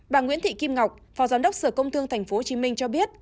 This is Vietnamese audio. bà nguyễn thị kim ngọc phó giám đốc sở công thương tp hcm cho biết